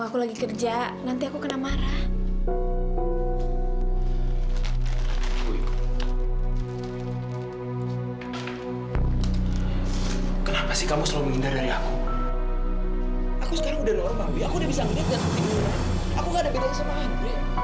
aku kan udah bilang dari